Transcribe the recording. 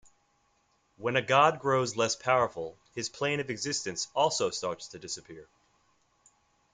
When a god grows less powerful, his plane of existence also starts to disappear.